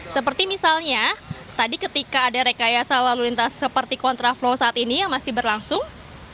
seperti misalnya tadi ketika ada rekayasa lalu lintas seperti kontraflow saat ini yang masih berlangsung